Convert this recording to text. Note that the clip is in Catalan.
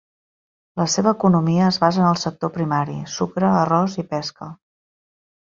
La seva economia es basa en el sector primari: sucre, arròs i pesca.